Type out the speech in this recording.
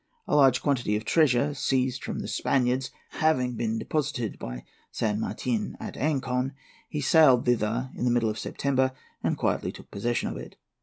A large quantity of treasure, seized from the Spaniards, having been deposited by San Martin at Ancon, he sailed thither, in the middle of September, and quietly took possession of it.